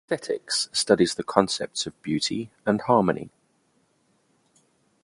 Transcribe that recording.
Aesthetics studies the concepts of "beauty" and "harmony.